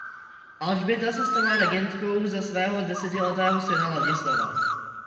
Alžběta se stala regentkou za svého desetiletého syna Ladislava.